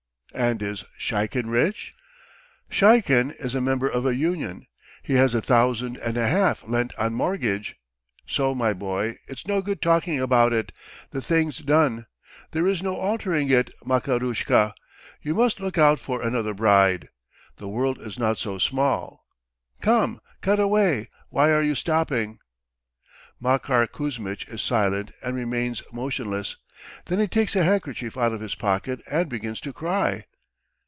"And is Sheikin rich?" "Sheikin is a member of a union. He has a thousand and a half lent on mortgage. So my boy .... It's no good talking about it, the thing's done. There is no altering it, Makarushka. You must look out for another bride. ... The world is not so small. Come, cut away. Why are you stopping?" Makar Kuzmitch is silent and remains motionless, then he takes a handkerchief out of his pocket and begins to cry.